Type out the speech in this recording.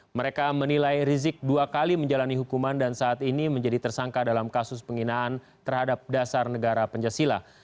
mereka menilai rizik dua kali menjalani hukuman dan saat ini menjadi tersangka dalam kasus penghinaan terhadap dasar negara penjasila